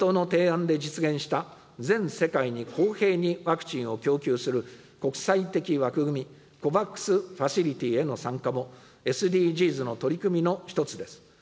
公明党の提案で実現した全世界に公平にワクチンを供給する国際的枠組み・ＣＯＶＡＸファシリティへの参加も、ＳＤＧｓの取り組みの一つです。